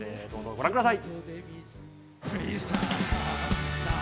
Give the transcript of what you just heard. ご覧ください。